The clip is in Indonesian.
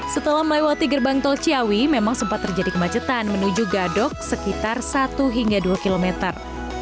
setelah melewati gerbang tol ciawi memang sempat terjadi kemacetan menuju gadok sekitar satu hingga dua kilometer